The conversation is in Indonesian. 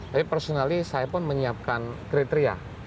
tapi personally saya pun menyiapkan kriteria